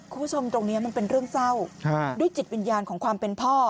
คุณผู้ชมตรงนี้มันเป็นเรื่องเศร้าด้วยจิตวิญญาณของความเป็นพ่อ